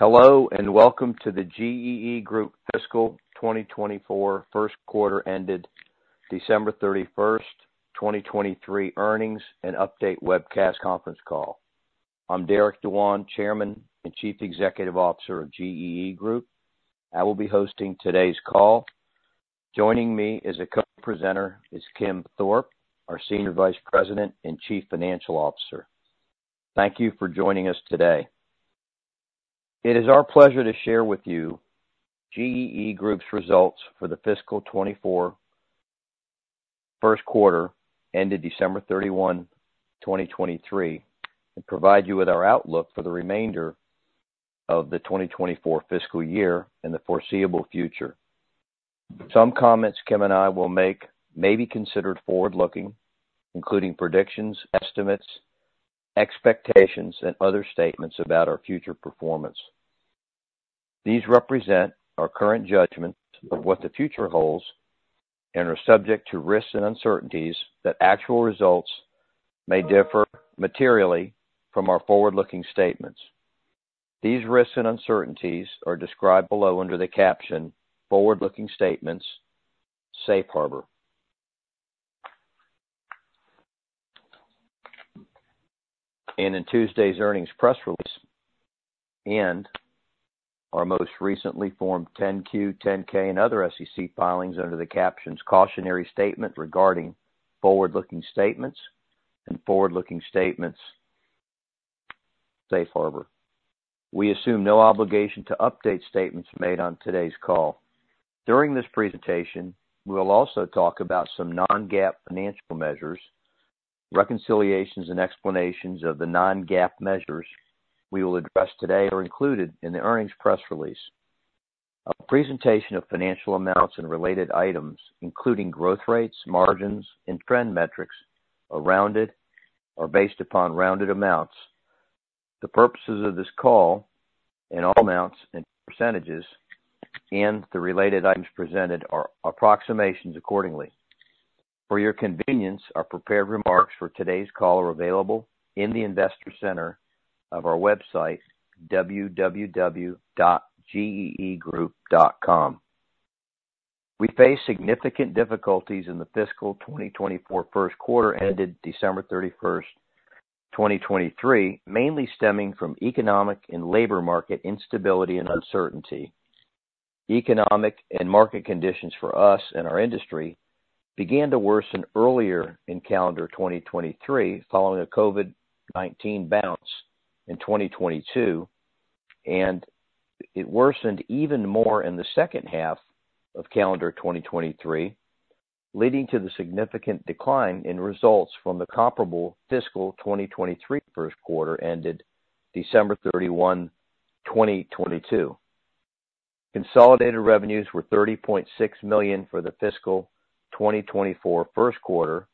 Hello, and welcome to the GEE Group fiscal 2024 first quarter ended December 31st, 2023 Earnings and update webcast conference call. I'm Derek Dewan, Chairman and Chief Executive Officer of GEE Group. I will be hosting today's call. Joining me as a co-presenter is Kim Thorpe, our Senior Vice President and Chief Financial Officer. Thank you for joining us today. It is our pleasure to share with you GEE Group's results for the fiscal 2024 first quarter, ended December 31, 2023, and provide you with our outlook for the remainder of the 2024 fiscal year and the foreseeable future. Some comments Kim and I will make may be considered forward-looking, including predictions, estimates, expectations, and other statements about our future performance. These represent our current judgments of what the future holds and are subject to risks and uncertainties that actual results may differ materially from our forward-looking statements. These risks and uncertainties are described below under the caption, forward-looking statements safe harbor. In Tuesday's earnings press release, and our most recently filed Form 10-Q, Form 10-K, and other SEC filings under the captions: Cautionary Statement regarding forward-looking statements and forward-looking statements safe harbor. We assume no obligation to update statements made on today's call. During this presentation, we will also talk about some non-GAAP financial measures. Reconciliations and explanations of the non-GAAP measures we will address today are included in the earnings press release. A presentation of financial amounts and related items, including growth rates, margins, and trend metrics, are rounded or based upon rounded amounts. The purposes of this call and all amounts and percentages and the related items presented are approximations accordingly. For your convenience, our prepared remarks for today's call are available in the investor center of our website, www.geegroup.com. We faced significant difficulties in the fiscal 2024 first quarter ended December 31st, 2023, mainly stemming from economic and labor market instability and uncertainty. Economic and market conditions for us and our industry began to worsen earlier in calendar 2023, following a COVID-19 bounce in 2022, and it worsened even more in the second half of calendar 2023, leading to the significant decline in results from the comparable fiscal 2023 first quarter, ended December 31, 2022. Consolidated revenues were $30.6 million for the fiscal 2024 first quarter.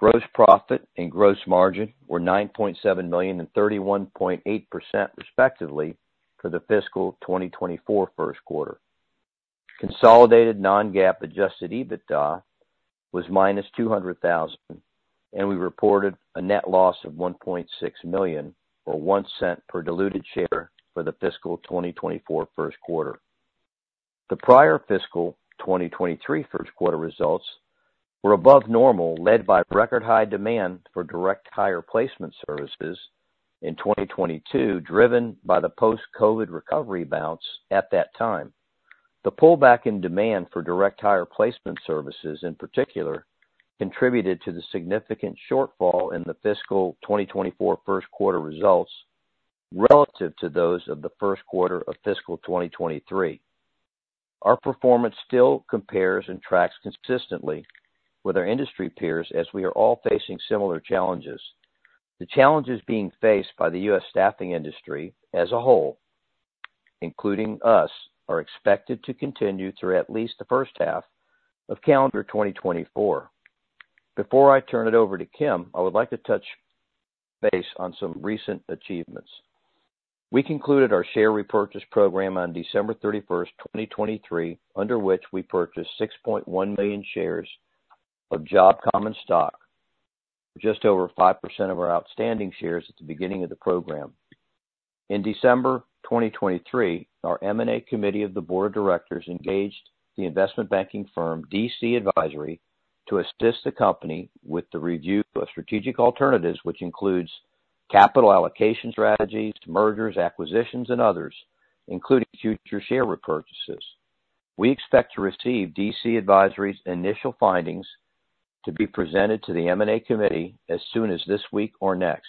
Gross profit and gross margin were $9.7 million and 31.8%, respectively, for the fiscal 2024 first quarter. Consolidated non-GAAP adjusted EBITDA was -$200,000, and we reported a net loss of $1.6 million or $0.01 per diluted share for the fiscal 2024 first quarter. The prior fiscal 2023 first quarter results were above normal, led by record-high demand for direct hire placement services in 2022, driven by the post-COVID recovery bounce at that time. The pullback in demand for direct hire placement services, in particular, contributed to the significant shortfall in the fiscal 2024 first quarter results relative to those of the first quarter of fiscal 2023. Our performance still compares and tracks consistently with our industry peers as we are all facing similar challenges. The challenges being faced by the U.S. staffing industry as a whole, including us, are expected to continue through at least the first half of calendar 2024. Before I turn it over to Kim, I would like to touch base on some recent achievements. We concluded our share repurchase program on December 31st, 2023, under which we purchased 6.1 million shares of JOB common stock, just over 5% of our outstanding shares at the beginning of the program. In December 2023, our M&A committee of the Board of Directors engaged the investment banking firm DC Advisory, to assist the company with the review of strategic alternatives, which includes capital allocation strategies, mergers, acquisitions, and others, including future share repurchases. We expect to receive DC Advisory's initial findings to be presented to the M&A committee as soon as this week or next.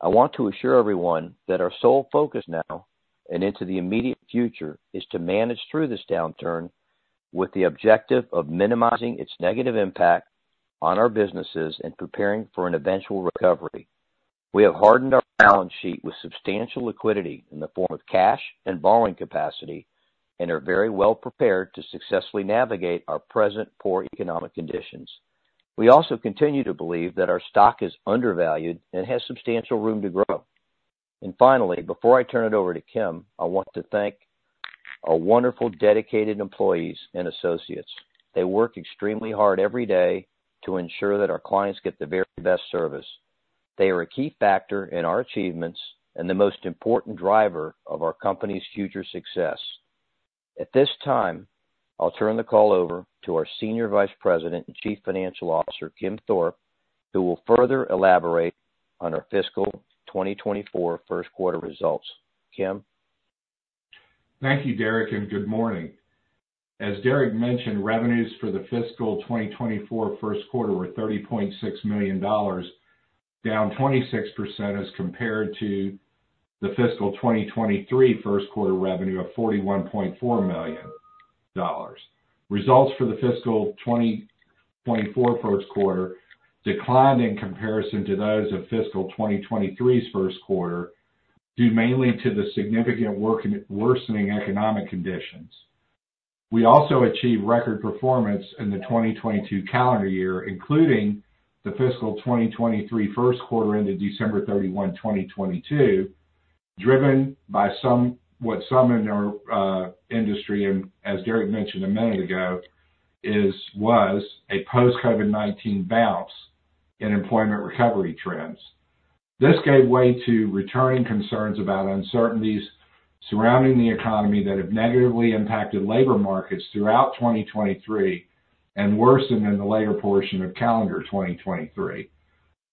I want to assure everyone that our sole focus now and into the immediate future, is to manage through this downturn with the objective of minimizing its negative impact on our businesses and preparing for an eventual recovery. We have hardened our balance sheet with substantial liquidity in the form of cash and borrowing capacity and are very well prepared to successfully navigate our present poor economic conditions. We also continue to believe that our stock is undervalued and has substantial room to grow. And finally, before I turn it over to Kim, I want to thank our wonderful dedicated employees and associates. They work extremely hard every day to ensure that our clients get the very best service. They are a key factor in our achievements and the most important driver of our company's future success. At this time, I'll turn the call over to our Senior Vice President and Chief Financial Officer, Kim Thorpe, who will further elaborate on our fiscal 2024 first quarter results. Kim? Thank you, Derek, and good morning. As Derek mentioned, revenues for the fiscal 2024 first quarter were $30.6 million, down 26% as compared to the fiscal 2023 first quarter revenue of $41.4 million. Results for the fiscal 2024 first quarter declined in comparison to those of fiscal 2023's first quarter, due mainly to the significant worsening economic conditions. We also achieved record performance in the 2022 calendar year, including the fiscal 2023 first quarter, ended December 31, 2022, driven by some—what some in our industry, and as Derek mentioned a minute ago, is—was a post COVID-19 bounce in employment recovery trends. This gave way to returning concerns about uncertainties surrounding the economy that have negatively impacted labor markets throughout 2023, and worsened in the later portion of calendar 2023,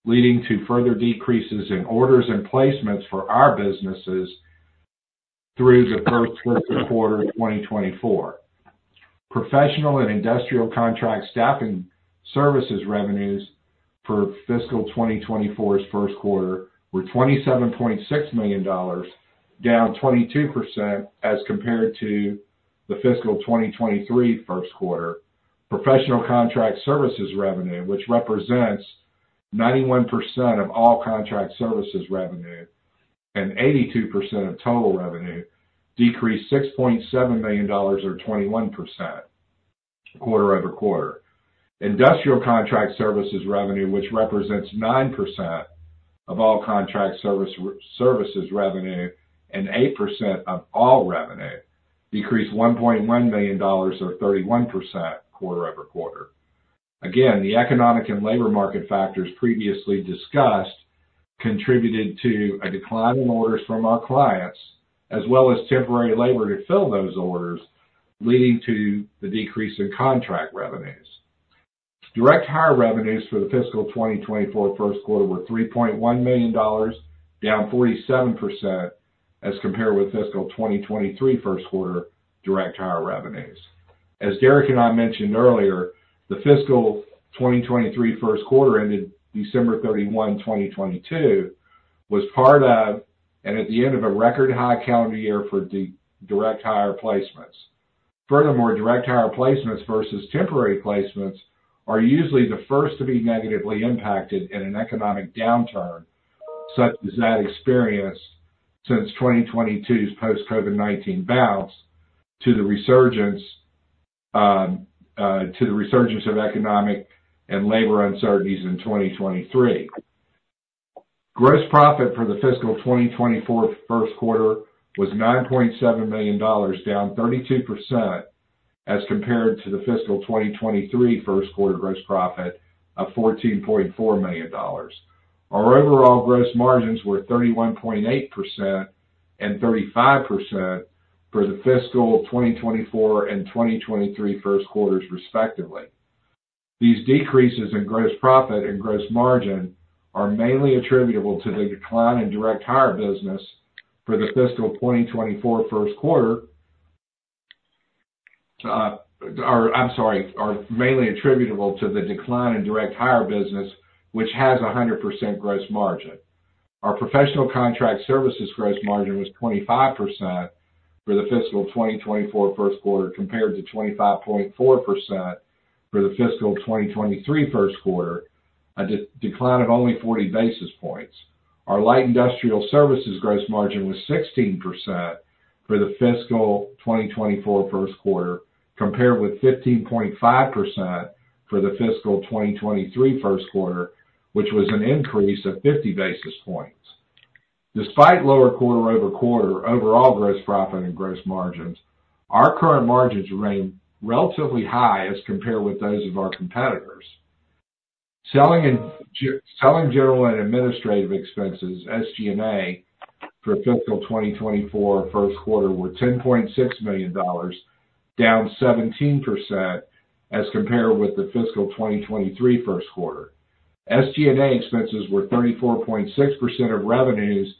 leading to further decreases in orders and placements for our businesses through the first quarter of 2024. Professional and industrial contract staffing services revenues for fiscal 2024's first quarter were $27.6 million, down 22% as compared to the fiscal 2023 first quarter. Professional contract services revenue, which represents 91% of all contract services revenue and 82% of total revenue, decreased $6.7 million or 21% quarter-over-quarter. Industrial contract services revenue, which represents 9% of all contract services revenue and 8% of all revenue, decreased $1.1 million or 31% quarter-over-quarter. Again, the economic and labor market factors previously discussed contributed to a decline in orders from our clients, as well as temporary labor to fill those orders, leading to the decrease in contract revenues. Direct hire revenues for the fiscal 2024 first quarter were $3.1 million, down 47% as compared with fiscal 2023 first quarter direct hire revenues. As Derek and I mentioned earlier, the fiscal 2023 first quarter, ended December 31, 2022, was part of, and at the end of a record-high calendar year for direct hire placements. Furthermore, direct hire placements versus temporary placements are usually the first to be negatively impacted in an economic downturn, such as that experienced since 2022's post COVID-19 bounce to the resurgence of economic and labor uncertainties in 2023. Gross profit for the fiscal 2024 first quarter was $9.7 million, down 32% as compared to the fiscal 2023 first quarter gross profit of $14.4 million. Our overall gross margins were 31.8% and 35% for the fiscal 2024 and 2023 first quarters, respectively. These decreases in gross profit and gross margin are mainly attributable to the decline in direct hire business, which has 100% gross margin. Our professional contract services gross margin was 25% for the fiscal 2024 first quarter, compared to 25.4% for the fiscal 2023 first quarter, a decline of only 40 basis points. Our light industrial services gross margin was 16% for the fiscal 2024 first quarter, compared with 15.5% for the fiscal 2023 first quarter, which was an increase of 50 basis points. Despite lower quarter-over-quarter overall gross profit and gross margins, our current margins remain relatively high as compared with those of our competitors. Selling, general and administrative expenses, SG&A, for fiscal 2024 first quarter were $10.6 million, down 17% as compared with the fiscal 2023 first quarter. SG&A expenses were 34.6% of revenues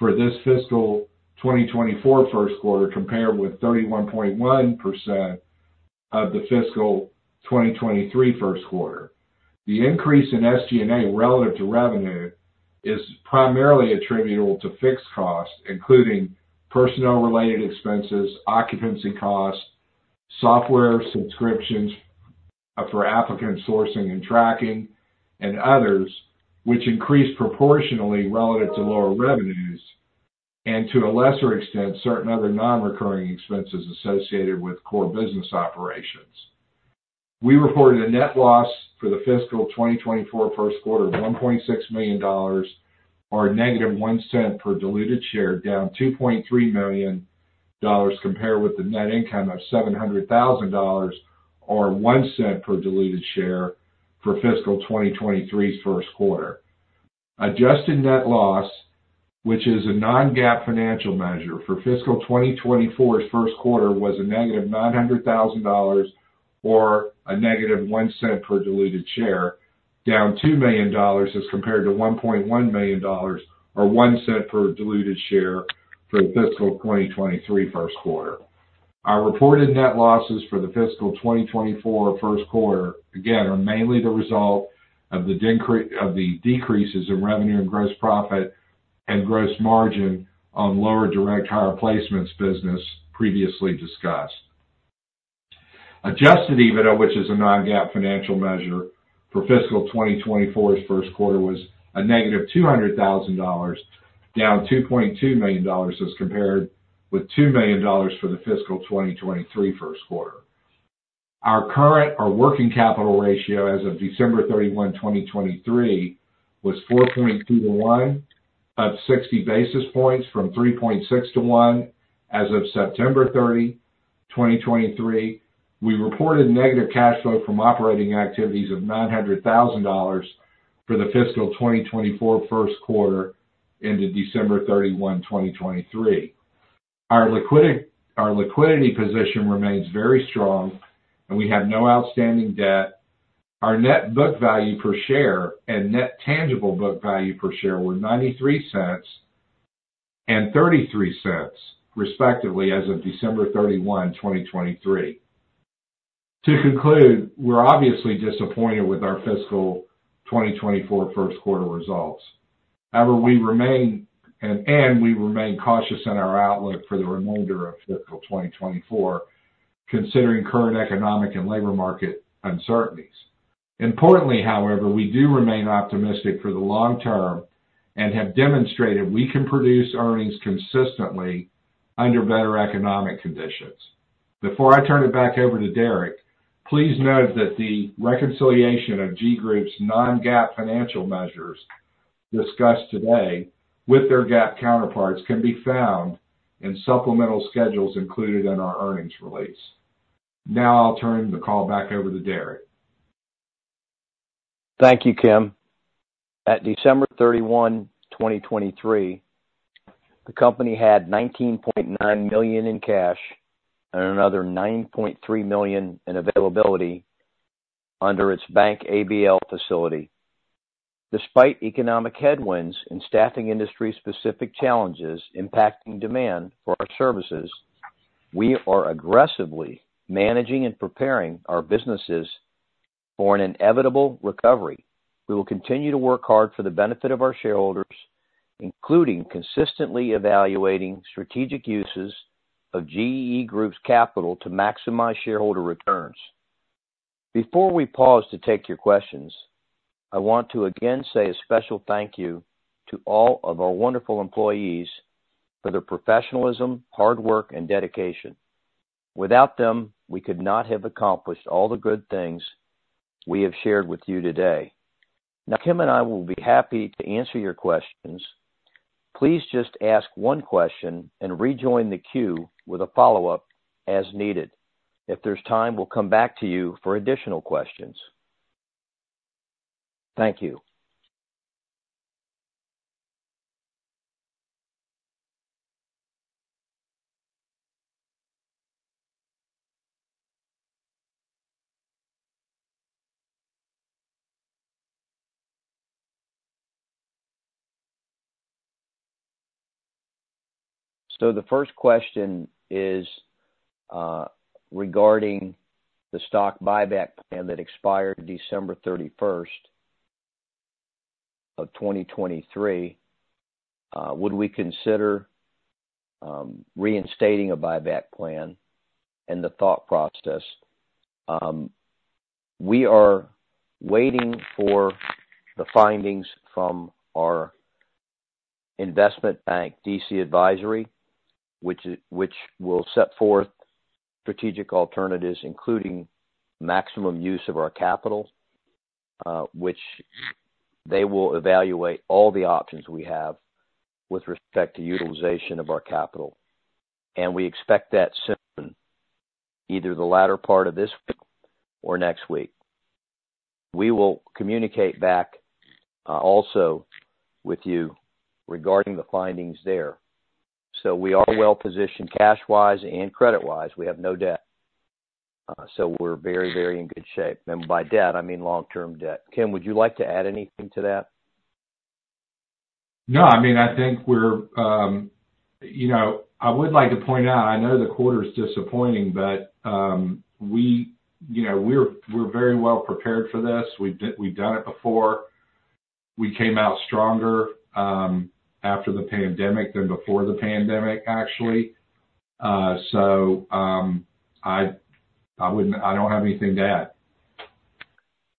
for this fiscal 2024 first quarter, compared with 31.1% of the fiscal 2023 first quarter. The increase in SG&A relative to revenue is primarily attributable to fixed costs, including personnel-related expenses, occupancy costs, software subscriptions for applicant sourcing and tracking, and others, which increased proportionally relative to lower revenues, and to a lesser extent, certain other non-recurring expenses associated with core business operations. We reported a net loss for the fiscal 2024 first quarter of $1.6 million or -$0.01 per diluted share, down $2.3 million compared with the net income of $700,000 or $0.01 per diluted share for fiscal 2023's first quarter. Adjusted net loss, which is a non-GAAP financial measure for fiscal 2024's first quarter, was -$900,000 or -$0.01 per diluted share, down $2 million as compared to $1.1 million or $0.01 per diluted share for the fiscal 2023 first quarter. Our reported net losses for the fiscal 2024 first quarter, again, are mainly the result of the decreases in revenue and gross profit and gross margin on lower direct hire placements business previously discussed. adjusted EBITDA, which is a non-GAAP financial measure for fiscal 2024's first quarter, was -$200,000, down $2.2 million as compared with $2 million for the fiscal 2023 first quarter. Our current, our working capital ratio as of December 31, 2023, was 4.2 to 1, up 60 basis points from 3.6 to 1 as of September 30, 2023. We reported negative cash flow from operating activities of $900,000 for the fiscal 2024 first quarter ended December 31, 2023. Our liquidity, our liquidity position remains very strong, and we have no outstanding debt. Our net book value per share and net tangible book value per share were $0.93 and $0.33, respectively, as of December 31, 2023. To conclude, we're obviously disappointed with our fiscal 2024 first quarter results. However, we remain, and, and we remain cautious in our outlook for the remainder of fiscal 2024, considering current economic and labor market uncertainties. Importantly, however, we do remain optimistic for the long term and have demonstrated we can produce earnings consistently under better economic conditions. Before I turn it back over to Derek, please note that the reconciliation of GEE Group's non-GAAP financial measures discussed today with their GAAP counterparts can be found in supplemental schedules included in our earnings release. Now I'll turn the call back over to Derek. Thank you, Kim. At December 31, 2023, the company had $19.9 million in cash and another $9.3 million in availability under its bank ABL facility. Despite economic headwinds and staffing industry-specific challenges impacting demand for our services, we are aggressively managing and preparing our businesses for an inevitable recovery. We will continue to work hard for the benefit of our shareholders, including consistently evaluating strategic uses of GEE Group's capital to maximize shareholder returns. Before we pause to take your questions, I want to again say a special thank you to all of our wonderful employees for their professionalism, hard work, and dedication. Without them, we could not have accomplished all the good things we have shared with you today. Now, Kim and I will be happy to answer your questions. Please just ask one question and rejoin the queue with a follow-up as needed. If there's time, we'll come back to you for additional questions. Thank you. So the first question is regarding the stock buyback plan that expired December 31st, 2023. Would we consider reinstating a buyback plan and the thought process? We are waiting for the findings from our investment bank, DC Advisory, which will set forth strategic alternatives, including maximum use of our capital, which they will evaluate all the options we have with respect to utilization of our capital, and we expect that soon, either the latter part of this week or next week. We will communicate back also with you regarding the findings there. So we are well positioned cash-wise and credit-wise. We have no debt, so we're very, very in good shape. And by debt, I mean long-term debt. Kim, would you like to add anything to that? No, I mean, I think we're. You know, I would like to point out. I know the quarter is disappointing, but you know, we're very well prepared for this. We've done it before. We came out stronger after the pandemic than before the pandemic, actually. So, I wouldn't. I don't have anything to add.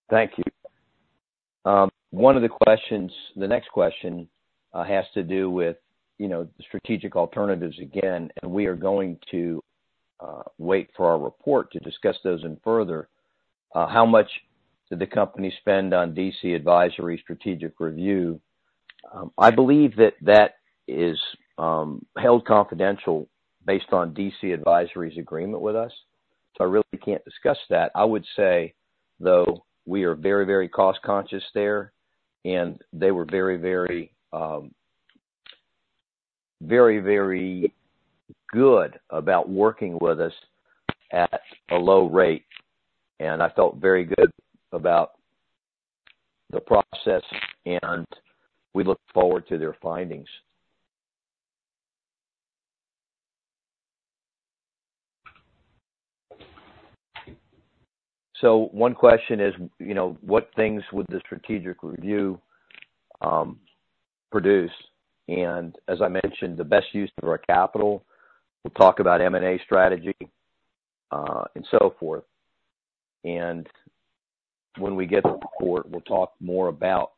Thank you. One of the questions, the next question, has to do with, you know, strategic alternatives again, and we are going to wait for our report to discuss those in further. How much did the company spend on DC Advisory strategic review? I believe that that is held confidential based on DC Advisory's agreement with us, so I really can't discuss that. I would say, though, we are very, very cost conscious there, and they were very, very, very, very good about working with us at a low rate, and I felt very good about the process, and we look forward to their findings. So one question is, you know, what things would the strategic review produce? And as I mentioned, the best use of our capital, we'll talk about M&A strategy, and so forth. When we get the report, we'll talk more about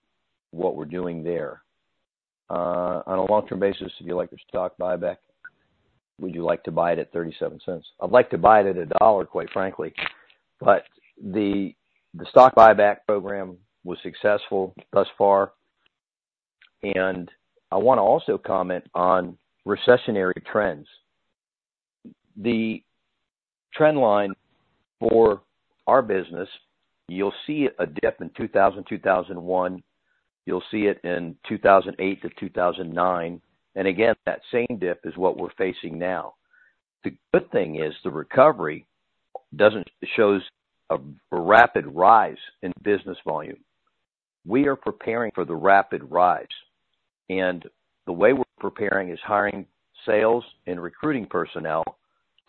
what we're doing there. On a long-term basis, would you like your stock buyback? Would you like to buy it at $0.37? I'd like to buy it at $1, quite frankly. But the stock buyback program was successful thus far, and I want to also comment on recessionary trends. The trend line for our business, you'll see a dip in 2002, 2001. You'll see it in 2008-2009, and again, that same dip is what we're facing now. The good thing is, the recovery shows a rapid rise in business volume. We are preparing for the rapid rise, and the way we're preparing is hiring sales and recruiting personnel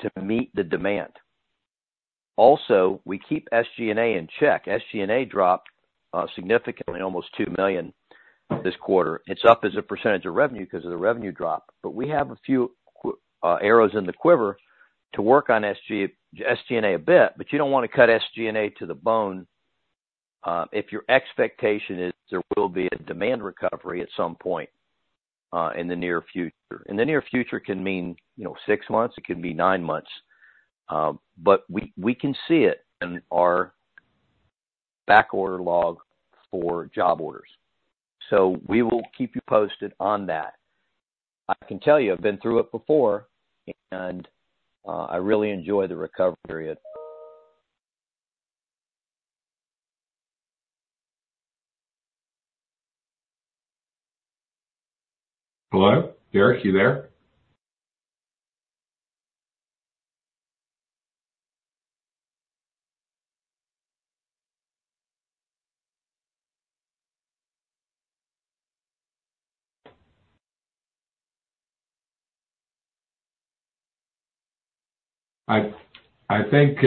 to meet the demand. Also, we keep SG&A in check. SG&A dropped significantly, almost $2 million this quarter. It's up as a percentage of revenue because of the revenue drop, but we have a few arrows in the quiver to work on SG&A a bit, but you don't want to cut SG&A to the bone, if your expectation is there will be a demand recovery at some point in the near future. In the near future can mean, you know, six months, it can mean nine months, but we can see it in our backorder log for job orders. So we will keep you posted on that. I can tell you, I've been through it before, and I really enjoy the recovery period. Hello? Derek, are you there? I think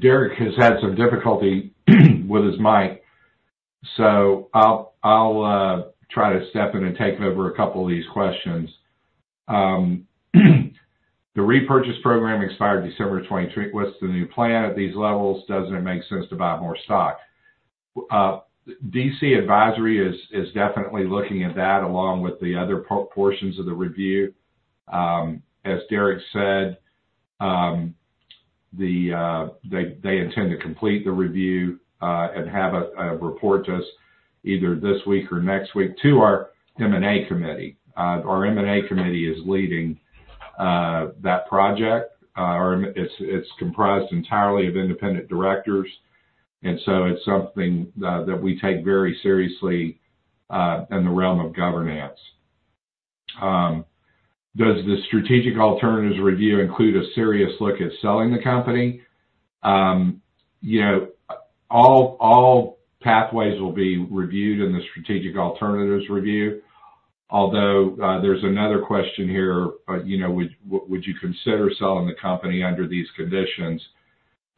Derek has had some difficulty with his mic, so I'll try to step in and take over a couple of these questions. The repurchase program expired December 2023. What's the new plan at these levels? Doesn't it make sense to buy more stock? DC Advisory is definitely looking at that, along with the other portions of the review. As Derek said, they intend to complete the review and have a report to us either this week or next week to our M&A committee. Our M&A committee is leading that project. It's comprised entirely of independent directors, and so it's something that we take very seriously in the realm of governance. Does the strategic alternatives review include a serious look at selling the company? You know, all pathways will be reviewed in the strategic alternatives review, although there's another question here, you know, would you consider selling the company under these conditions?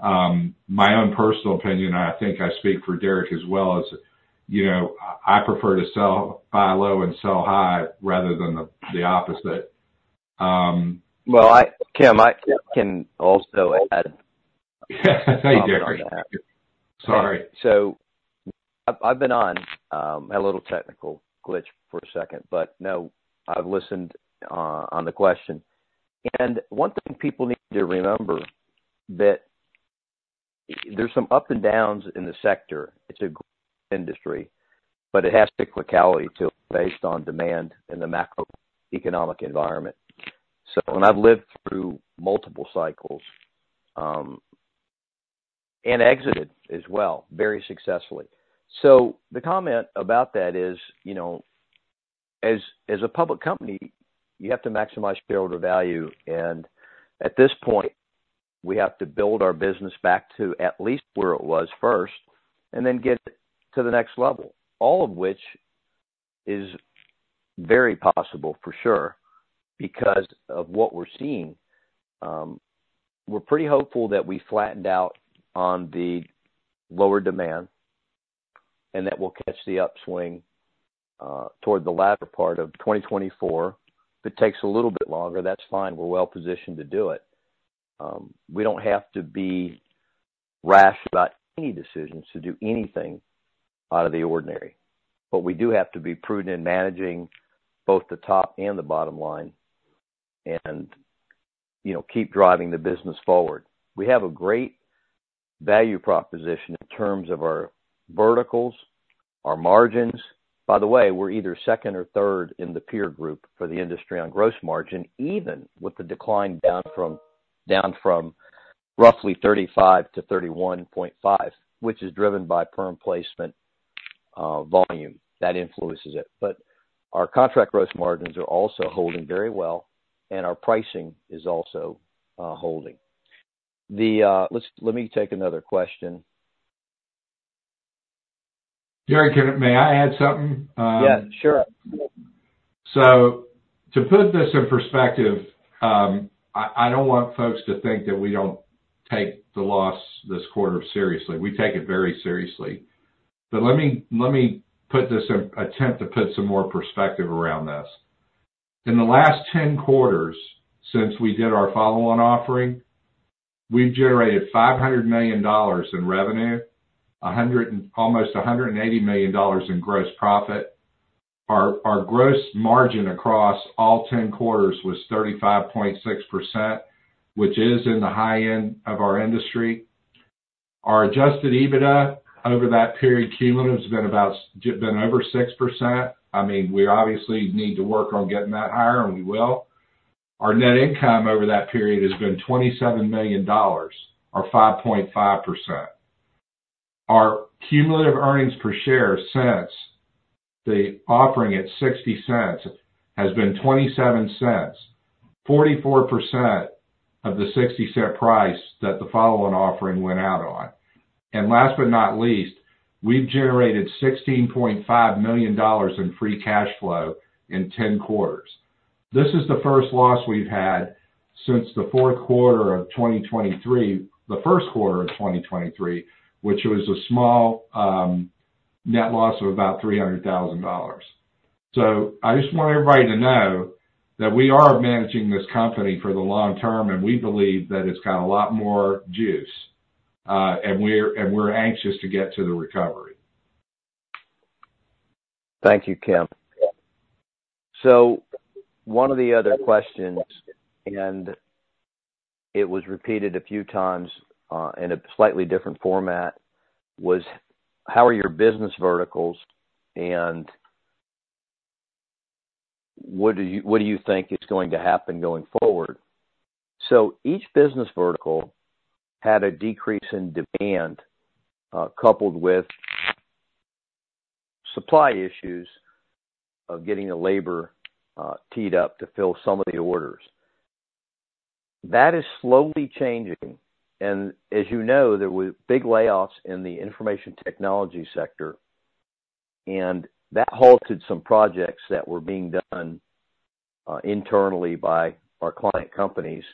My own personal opinion, I think I speak for Derek as well, is, you know, I prefer to sell, buy low and sell high rather than the opposite. Well, Kim, I can also add. Thank you, Derek. Sorry. So I've been on. Had a little technical glitch for a second, but no, I've listened on the question. One thing people need to remember that there's some up and downs in the sector. It's a great industry, but it has cyclicality to it based on demand and the macroeconomic environment. So, and I've lived through multiple cycles, and exited as well, very successfully. So the comment about that is, you know, as a public company, you have to maximize shareholder value, and at this point, we have to build our business back to at least where it was first and then get to the next level, all of which is very possible for sure because of what we're seeing. We're pretty hopeful that we flattened out on the lower demand and that we'll catch the upswing. Toward the latter part of 2024. If it takes a little bit longer, that's fine. We're well positioned to do it. We don't have to be rash about any decisions to do anything out of the ordinary, but we do have to be prudent in managing both the top and the bottom line and, you know, keep driving the business forward. We have a great value proposition in terms of our verticals, our margins. By the way, we're either second or third in the peer group for the industry on gross margin, even with the decline down from roughly 35% to 31.5%, which is driven by perm placement volume. That influences it. But our contract gross margins are also holding very well, and our pricing is also holding. Let me take another question. Gary, may I add something? Yeah, sure. So to put this in perspective, I don't want folks to think that we don't take the loss this quarter seriously. We take it very seriously. But let me put this in attempt to put some more perspective around this. In the last 10 quarters since we did our follow-on offering, we've generated $500 million in revenue, almost $180 million in gross profit. Our gross margin across all 10 quarters was 35.6%, which is in the high end of our industry. Our adjusted EBITDA over that period, cumulative, has been over 6%. I mean, we obviously need to work on getting that higher, and we will. Our net income over that period has been $27 million or 5.5%. Our cumulative earnings per share since the offering at $0.60 has been $0.27, 44% of the $0.60 price that the follow-on offering went out on. And last but not least, we've generated $16.5 million in free cash flow in 10 quarters. This is the first loss we've had since the fourth quarter of 2023, the first quarter of 2023, which was a small net loss of about $300,000. So I just want everybody to know that we are managing this company for the long term, and we believe that it's got a lot more juice, and we're anxious to get to the recovery. Thank you, Kim. So one of the other questions, and it was repeated a few times, in a slightly different format, was: How are your business verticals, and what do you think is going to happen going forward? So each business vertical had a decrease in demand, coupled with supply issues of getting the labor teed up to fill some of the orders. That is slowly changing, and as you know, there were big layoffs in the information technology sector, and that halted some projects that were being done internally by our client companies.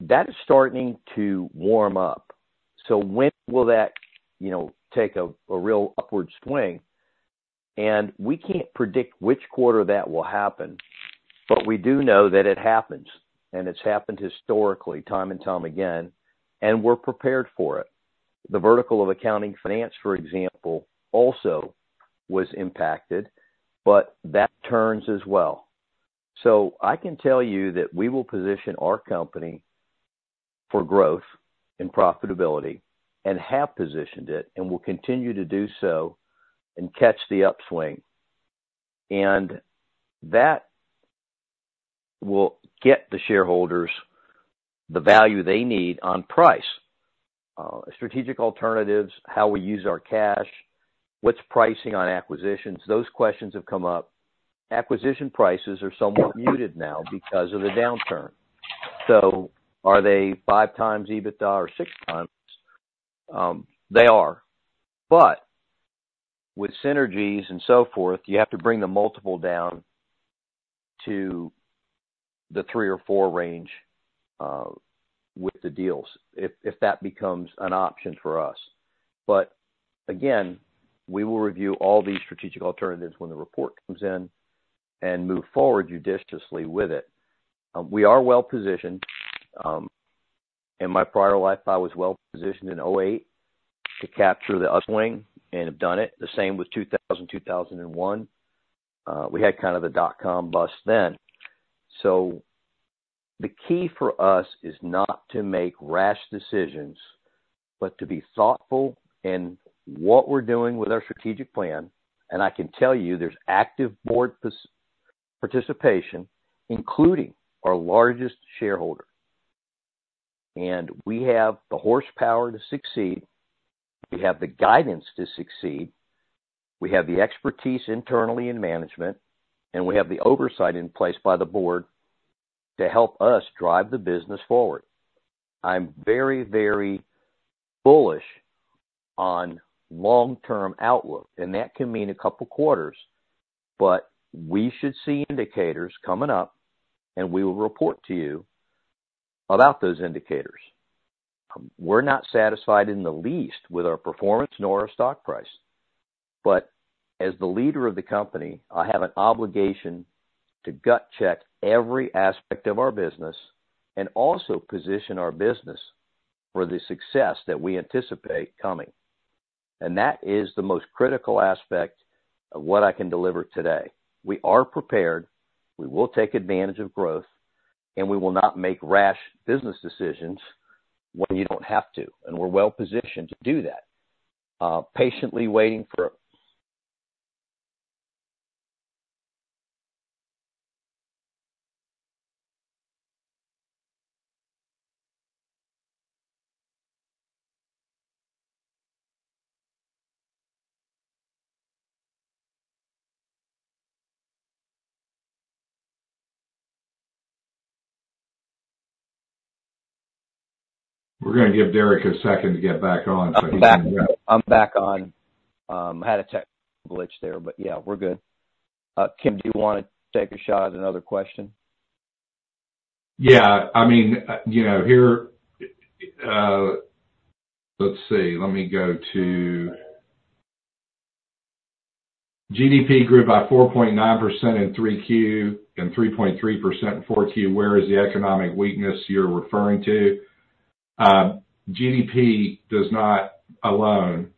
That is starting to warm up. So when will that, you know, take a real upward swing? And we can't predict which quarter that will happen, but we do know that it happens, and it's happened historically, time and time again, and we're prepared for it. The vertical of accounting, finance, for example, also was impacted, but that turns as well. So I can tell you that we will position our company for growth and profitability, and have positioned it, and will continue to do so and catch the upswing, and that will get the shareholders the value they need on price. Strategic alternatives, how we use our cash, what's pricing on acquisitions? Those questions have come up. Acquisition prices are somewhat muted now because of the downturn. So are they 5x EBITDA or 6x? They are. But with synergies and so forth, you have to bring the multiple down to the 3x or 4x range, with the deals, if that becomes an option for us. But again, we will review all these strategic alternatives when the report comes in and move forward judiciously with it. We are well positioned. In my prior life, I was well positioned in 2008 to capture the upswing and have done it. The same with 2000, 2001. We had kind of the dot-com bust then. So the key for us is not to make rash decisions, but to be thoughtful in what we're doing with our strategic plan. And I can tell you, there's active board participation, including our largest shareholder. And we have the horsepower to succeed, we have the guidance to succeed, we have the expertise internally in management, and we have the oversight in place by the board to help us drive the business forward. I'm very, very bullish on long-term outlook, and that can mean a couple of quarters, but we should see indicators coming up, and we will report to you about those indicators. We're not satisfied in the least with our performance nor our stock price. But as the leader of the company, I have an obligation to gut check every aspect of our business and also position our business for the success that we anticipate coming. And that is the most critical aspect of what I can deliver today. We are prepared, we will take advantage of growth, and we will not make rash business decisions when you don't have to, and we're well positioned to do that. Patiently waiting for- We're gonna give Derek a second to get back on. I'm back. I'm back on. I had a tech glitch there, but yeah, we're good. Kim, do you want to take a shot at another question? Yeah. I mean, you know, here. Let's see. Let me go to GDP grew by 4.9% in 3Q and 3.3% in 4Q. Where is the economic weakness you're referring to? GDP does not alone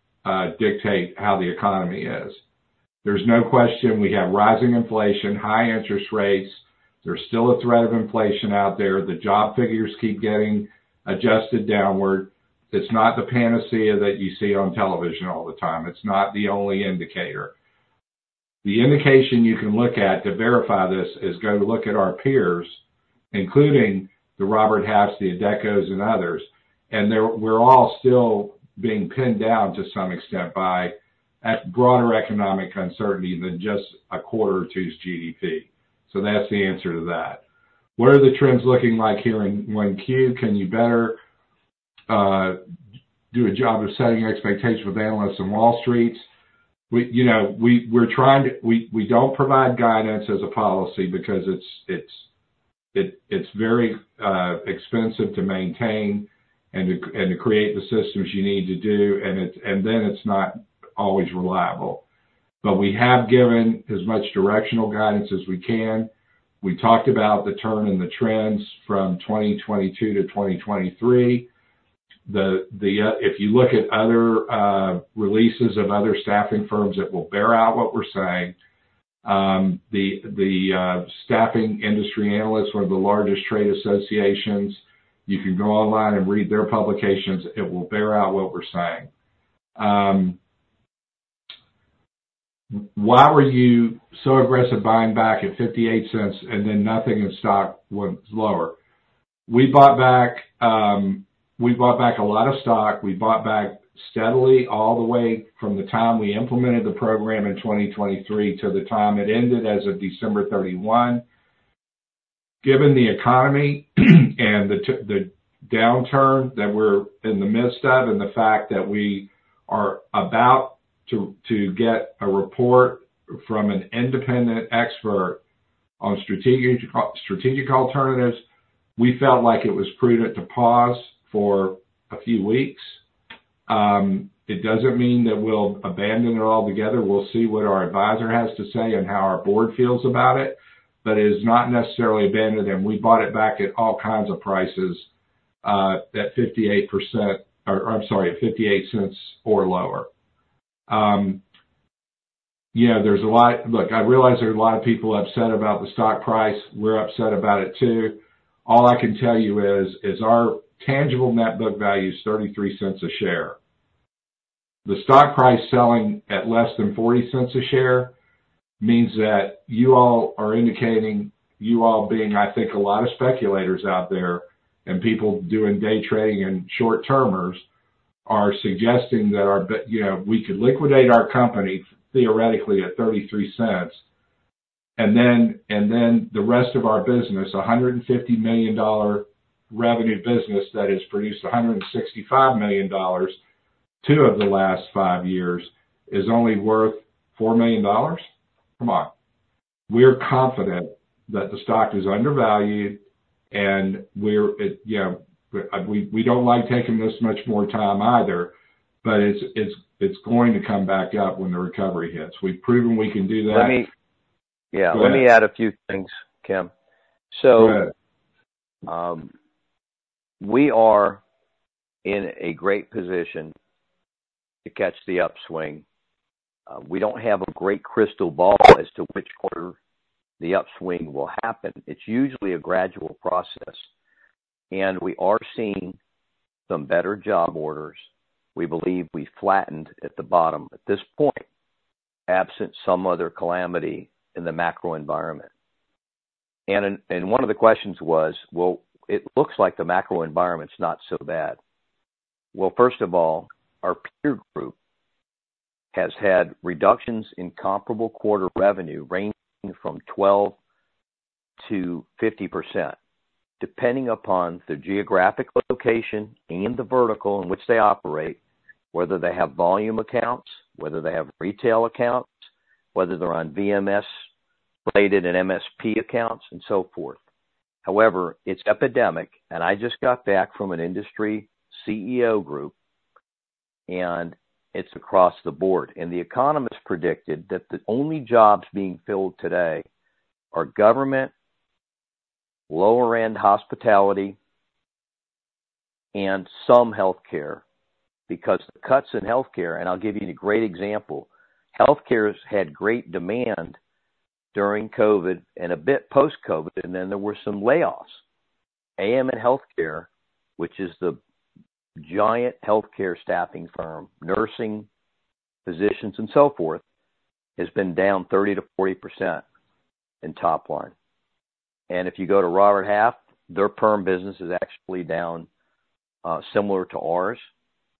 dictate how the economy is. There's no question we have rising inflation, high interest rates. There's still a threat of inflation out there. The job figures keep getting adjusted downward. It's not the panacea that you see on television all the time. It's not the only indicator. The indication you can look at to verify this is go to look at our peers, including the Robert Half, the Adeccos, and others, and they're, we're all still being pinned down to some extent by a broader economic uncertainty than just a quarter or two's GDP. So that's the answer to that. What are the trends looking like here in 1Q? Can you better do a job of setting expectations with analysts on Wall Street? We, you know, we're trying to. We don't provide guidance as a policy because it's very expensive to maintain and to create the systems you need to do, and then it's not always reliable. But we have given as much directional guidance as we can. We talked about the turn in the trends from 2022 to 2023. If you look at other releases of other staffing firms, it will bear out what we're saying. Staffing Industry Analysts, one of the largest trade associations, you can go online and read their publications. It will bear out what we're saying. Why were you so aggressive buying back at $0.58 and then nothing of stock went lower? We bought back, we bought back a lot of stock. We bought back steadily all the way from the time we implemented the program in 2023 to the time it ended as of December 31. Given the economy, and the downturn that we're in the midst of, and the fact that we are about to get a report from an independent expert on strategic alternatives, we felt like it was prudent to pause for a few weeks. It doesn't mean that we'll abandon it altogether. We'll see what our advisor has to say and how our board feels about it, but it is not necessarily abandoned, and we bought it back at all kinds of prices, at 58%. Or, I'm sorry, at $0.58 or lower. Yeah, there's a lot. Look, I realize there are a lot of people upset about the stock price. We're upset about it, too. All I can tell you is our tangible net book value is $0.33 a share. The stock price selling at less than $0.40 a share means that you all are indicating, you all being, I think, a lot of speculators out there and people doing day trading and short-termers, are suggesting that you know, we could liquidate our company theoretically at $0.33, and then, and then the rest of our business, a $150 million revenue business that has produced $165 million, two of the last five years, is only worth $4 million? Come on. We're confident that the stock is undervalued, and you know, we don't like taking this much more time either, but it's going to come back up when the recovery hits. We've proven we can do that. Let me. Yeah. Go ahead. Let me add a few things, Kim. Go ahead. We are in a great position to catch the upswing. We don't have a great crystal ball as to which quarter the upswing will happen. It's usually a gradual process, and we are seeing some better job orders. We believe we flattened at the bottom at this point, absent some other calamity in the macro environment. And one of the questions was, well, it looks like the macro environment's not so bad. Well, first of all, our peer group has had reductions in comparable quarter revenue ranging from 12%-50%, depending upon the geographic location and the vertical in which they operate, whether they have volume accounts, whether they have retail accounts, whether they're on VMS-related, in MSP accounts and so forth. However, it's epidemic, and I just got back from an industry CEO group, and it's across the board. The economists predicted that the only jobs being filled today are government, lower-end hospitality, and some healthcare, because the cuts in healthcare, and I'll give you a great example. Healthcare has had great demand during COVID and a bit post-COVID, and then there were some layoffs. AMN Healthcare, which is the giant healthcare staffing firm, nursing, physicians, and so forth, has been down 30%-40% in top line. And if you go to Robert Half, their perm business is actually down, similar to ours.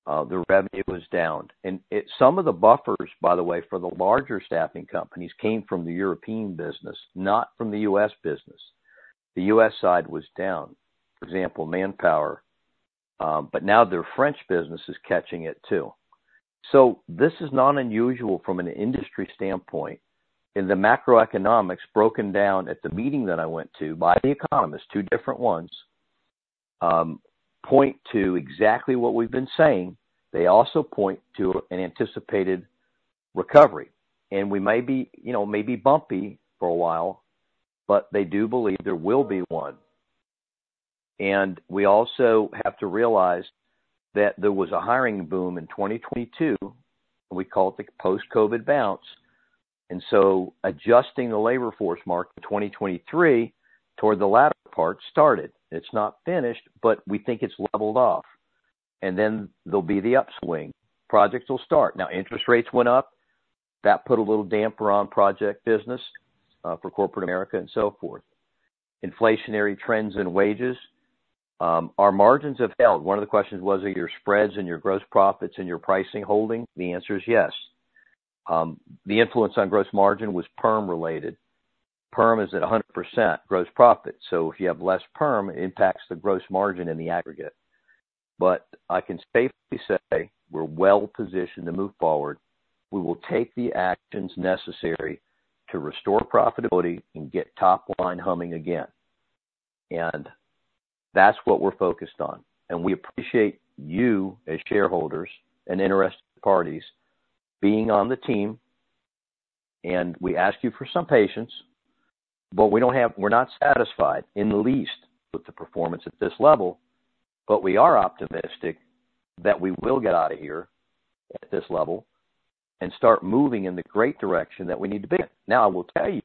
Their revenue is down. And some of the buffers, by the way, for the larger staffing companies, came from the European business, not from the U.S. business. The U.S. side was down, for example, Manpower, but now their French business is catching it, too. So this is not unusual from an industry standpoint, and the macroeconomics broken down at the meeting that I went to by the economists, two different ones, point to exactly what we've been saying. They also point to an anticipated recovery, and we may be, you know, may be bumpy for a while, but they do believe there will be one. We also have to realize that there was a hiring boom in 2022, and we call it the post-COVID bounce, and so adjusting the labor force mark for 2023 toward the latter part started. It's not finished, but we think it's leveled off, and then there'll be the upswing. Projects will start. Now, interest rates went up. That put a little damper on project business for corporate America and so forth. Inflationary trends and wages. Our margins have held. One of the questions was, are your spreads and your gross profits and your pricing holding? The answer is yes. The influence on gross margin was perm related. Perm is at 100% gross profit, so if you have less perm, it impacts the gross margin in the aggregate. But I can safely say we're well positioned to move forward. We will take the actions necessary to restore profitability and get top line humming again. And that's what we're focused on, and we appreciate you, as shareholders and interested parties, being on the team, and we ask you for some patience, but we don't have—we're not satisfied in the least with the performance at this level. But we are optimistic that we will get out of here at this level and start moving in the great direction that we need to be in. Now, I will tell you,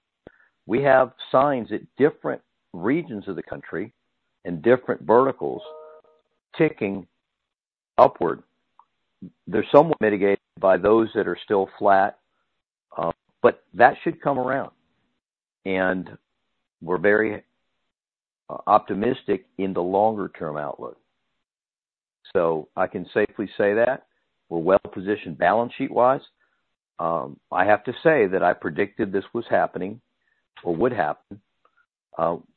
we have signs at different regions of the country and different verticals ticking upward. They're somewhat mitigated by those that are still flat, but that should come around. And we're very optimistic in the longer-term outlook. So I can safely say that we're well positioned balance sheet-wise. I have to say that I predicted this was happening or would happen.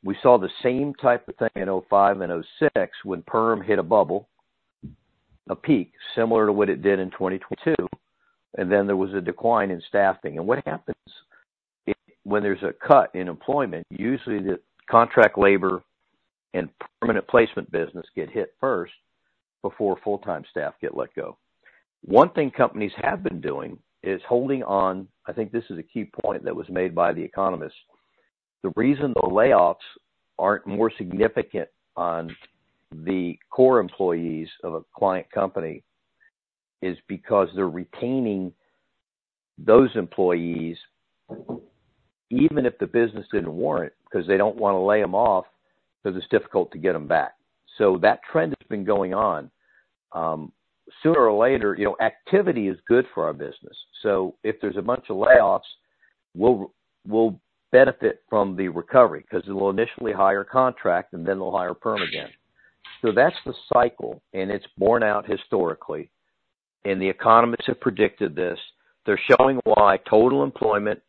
We saw the same type of thing in 2005 and 2006 when perm hit a bubble, a peak, similar to what it did in 2022, and then there was a decline in staffing. And what happens when there's a cut in employment, usually, the contract labor and permanent placement business get hit first before full-time staff get let go. One thing companies have been doing is holding on. I think this is a key point that was made by the economists. The reason the layoffs aren't more significant on the core employees of a client company is because they're retaining those employees, even if the business didn't warrant, because they don't want to lay them off, because it's difficult to get them back. So that trend has been going on. Sooner or later, you know, activity is good for our business, so if there's a bunch of layoffs, we'll benefit from the recovery because it will initially hire contract, and then they'll hire perm again. So that's the cycle, and it's borne out historically, and the economists have predicted this. They're showing why total employment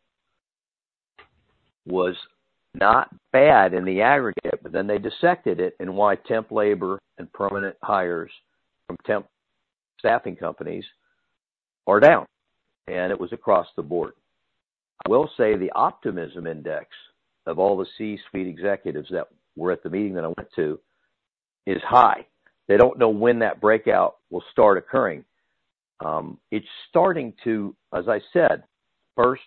was not bad in the aggregate, but then they dissected it and why temp labor and permanent hires from temp staffing companies are down, and it was across the board. I will say the optimism index of all the C-suite executives that were at the meeting that I went to, is high. They don't know when that breakout will start occurring. It's starting to, as I said, first,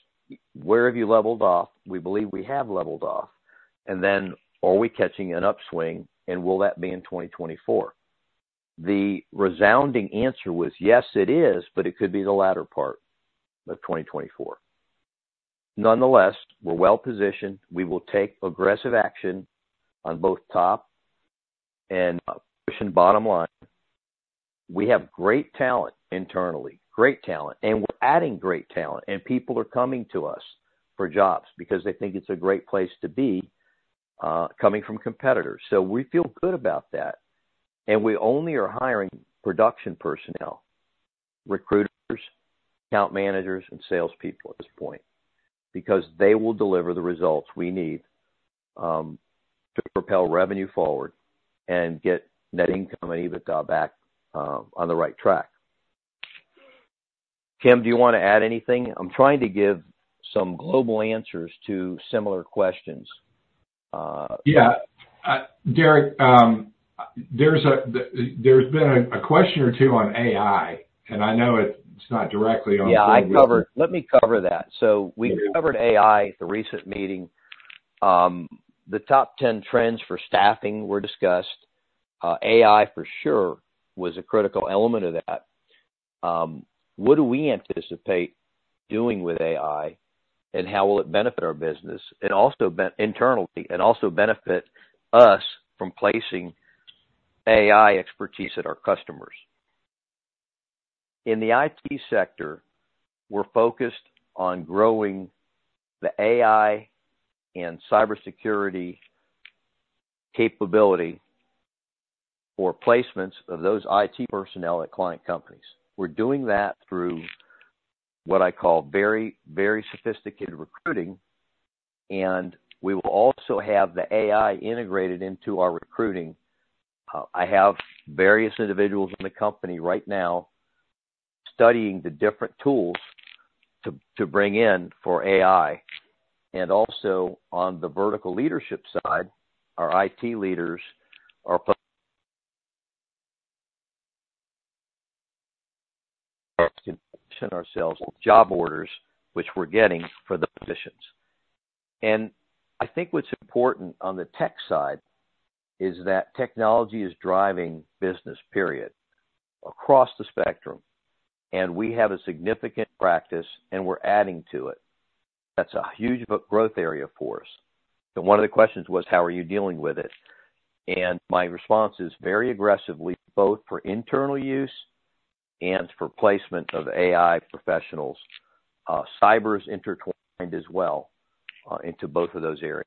where have you leveled off? We believe we have leveled off. And then, are we catching an upswing, and will that be in 2024? The resounding answer was, yes, it is, but it could be the latter part of 2024. Nonetheless, we're well positioned. We will take aggressive action on both top and bottom line. We have great talent internally, great talent, and we're adding great talent, and people are coming to us for jobs because they think it's a great place to be, coming from competitors. So we feel good about that, and we only are hiring production personnel, recruiters, account managers, and salespeople at this point, because they will deliver the results we need to propel revenue forward and get net income and EBITDA back on the right track. Kim, do you want to add anything? I'm trying to give some global answers to similar questions. Yeah, Derek, there's been a question or two on AI, and I know it's not directly on- Yeah, I covered. Let me cover that. So we covered AI at the recent meeting. The top 10 trends for staffing were discussed. AI, for sure, was a critical element of that. What do we anticipate doing with AI, and how will it benefit our business, and also be internally, and also benefit us from placing AI expertise at our customers? In the IT sector, we're focused on growing the AI and cybersecurity capability for placements of those IT personnel at client companies. We're doing that through what I call very, very sophisticated recruiting, and we will also have the AI integrated into our recruiting. I have various individuals in the company right now studying the different tools to bring in for AI. And also, on the vertical leadership side, our IT leaders are putting ourselves job orders, which we're getting for the positions. I think what's important on the tech side is that technology is driving business, period, across the spectrum, and we have a significant practice, and we're adding to it. That's a huge but growth area for us. One of the questions was, how are you dealing with it? My response is very aggressively, both for internal use and for placement of AI professionals. Cyber is intertwined as well into both of those areas.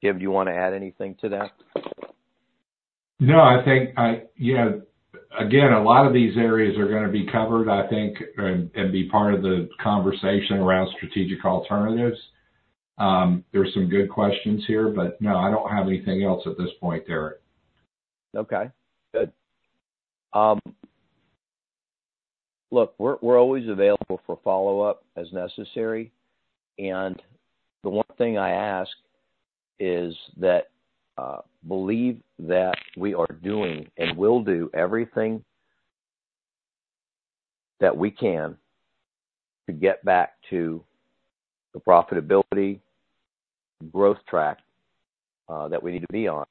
Kim, do you want to add anything to that? No, I think, yeah, again, a lot of these areas are going to be covered, I think, and, and be part of the conversation around strategic alternatives. There are some good questions here, but no, I don't have anything else at this point, Derek. Okay, good. Look, we're, we're always available for follow-up as necessary, and the one thing I ask is that believe that we are doing and will do everything that we can to get back to the profitability growth track that we need to be on.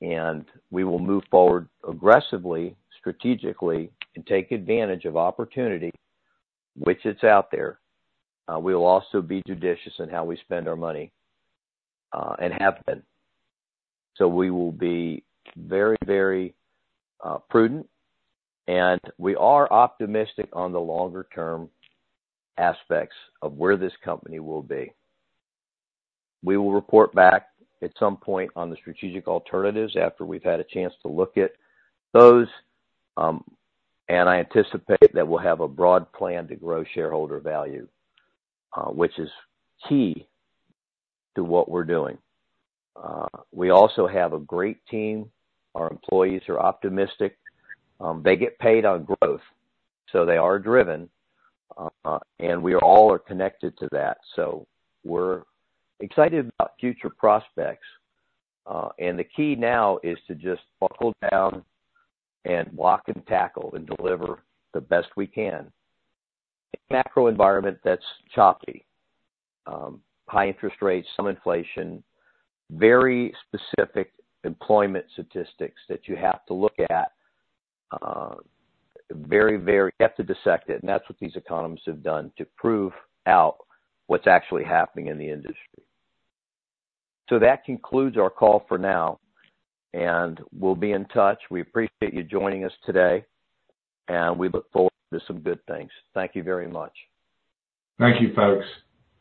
And we will move forward aggressively, strategically, and take advantage of opportunity, which it's out there. We will also be judicious in how we spend our money, and have been. So we will be very, very prudent, and we are optimistic on the longer-term aspects of where this company will be. We will report back at some point on the strategic alternatives after we've had a chance to look at those, and I anticipate that we'll have a broad plan to grow shareholder value, which is key to what we're doing. We also have a great team. Our employees are optimistic. They get paid on growth, so they are driven, and we all are connected to that. So we're excited about future prospects. And the key now is to just buckle down and block and tackle and deliver the best we can. In a macro environment that's choppy, high interest rates, some inflation, very specific employment statistics that you have to look at, very, very. You have to dissect it, and that's what these economists have done to prove out what's actually happening in the industry. So that concludes our call for now, and we'll be in touch. We appreciate you joining us today, and we look forward to some good things. Thank you very much. Thank you, folks.